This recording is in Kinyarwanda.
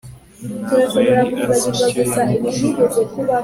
ntabwo yari azi icyo yamubwira